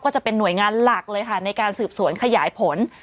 ก็จะเป็นหน่วยงานหลักเลยค่ะในการสืบสวนขยายผล